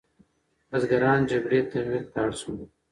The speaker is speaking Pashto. بزګران جګړې تمویل ته اړ شول.